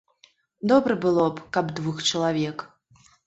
Добра было б, каб двух чалавек.